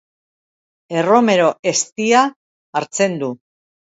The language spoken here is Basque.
Erromero-eztia hartzen du.